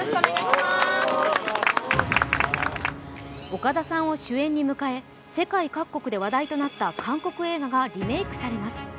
岡田さんを主演に迎え、世界各国で話題となった韓国映画がリメークされます。